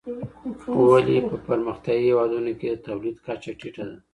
ولې په پرمختيايي هيوادونو کي د توليد کچه ټيټه ده؟